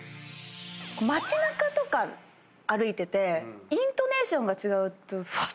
街なかとか歩いててイントネーションが違うとファッ！